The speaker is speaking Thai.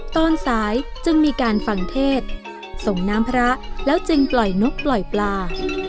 ตอนสายจึงมีการฟังเทศส่งน้ำพระแล้วจึงปล่อยนกปล่อยปลา